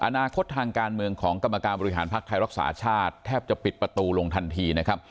อนาคตทางการเมืองของกรรมการบริหารภักดิ์ไทยรักษาชาติแทบจะปิดประตูลงทันทีนะครับ